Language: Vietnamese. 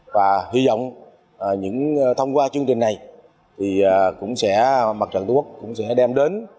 và hy vọng những thông qua chương trình này mặt trận tổ quốc cũng sẽ đem đến